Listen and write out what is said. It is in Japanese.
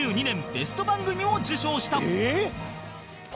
ベスト番組を受賞した